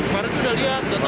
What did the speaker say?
marah sudah lihat sudah tau